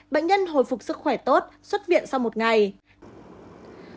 bệnh nhân hồi phục sức khỏe tốt xuất viện sau một ngày